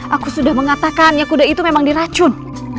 aku sudah mengatakan ya kuda itu memang diracun